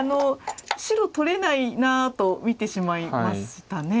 白取れないなと見てしまいましたね。